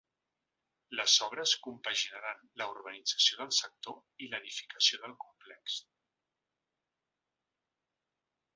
Les obres compaginaran la urbanització del sector i l’edificació del complex.